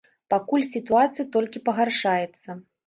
Пакуль сітуацыя толькі пагаршаецца.